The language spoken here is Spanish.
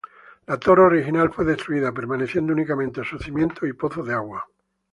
La torre original fue destruida, permaneciendo únicamente sus cimientos y pozo de agua.